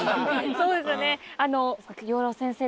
そうですよね。